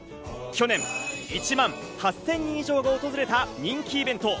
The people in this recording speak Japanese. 去年１万８０００人以上が訪れた人気イベント。